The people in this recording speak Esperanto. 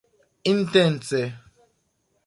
intence